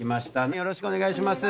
よろしくお願いします。